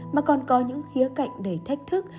mà còn có những khía cạnh đầy thách thức